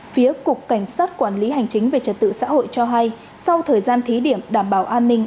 phía cục cảnh sát quản lý hành chính về trật tự xã hội cho hay sau thời gian thí điểm đảm bảo an ninh